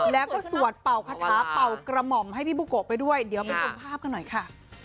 แล้วก็สวดเป่าคาถาเป่ากระหม่อมให้พี่บุโกะไปด้วยเดี๋ยวไปชมภาพกันหน่อยค่ะ